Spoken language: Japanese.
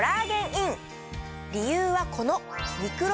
理由はこの。